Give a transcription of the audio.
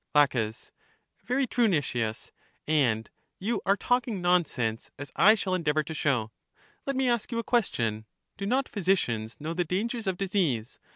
La, Very true, Nicias; and you are talking non sense, as I shall endeavor to show. Let me ask you a question: Do not physicians know the dangers of disease?